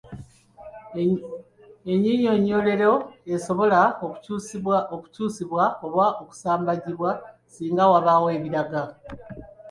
Ennyinyonnyolero esobola okukyusibwamu oba n’okusambajjibwa singa wabaawo ebiraga.